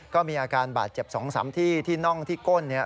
ก็มีอาการบาดเจ็บ๒๓ที่ที่น่องที่ก้นเนี่ย